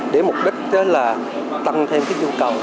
để mục đích là tăng thêm cái nhu cầu